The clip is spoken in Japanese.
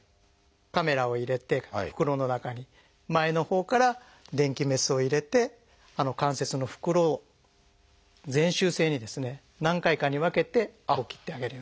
カメラを入れて袋の中に前のほうから電気メスを入れて関節の袋を全周性にですね何回かに分けて切ってあげる。